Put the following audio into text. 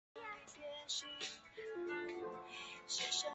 紧贴国家安全工作实际